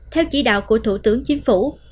theo chỉ đạo của thủ tướng chính phủ